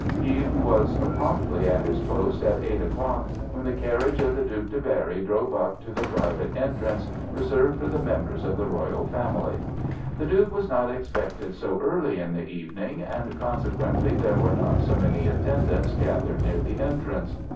He was promptly at his post at eight o'clock when the carriage of the Duc de Berry drove up to the private entrance reserved for the members of the royal family. The Duke was not expected so early in the evening, and consequently there were not so many attendants gathered near the entrance.